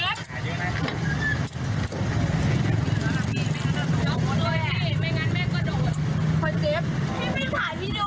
พี่ไม่ถ่ายวีดีโอไว้วะ